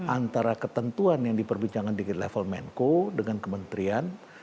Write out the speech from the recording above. antara ketentuan yang diperbincangkan di level menko dengan kementerian